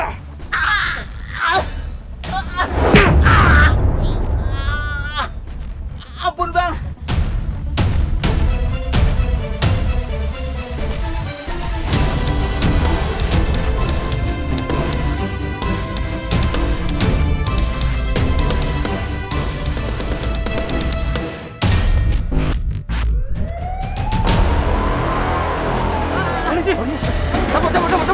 cabut cabut cabut